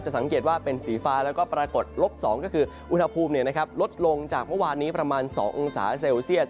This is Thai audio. สังเกตว่าเป็นสีฟ้าแล้วก็ปรากฏลบ๒ก็คืออุณหภูมิลดลงจากเมื่อวานนี้ประมาณ๒องศาเซลเซียต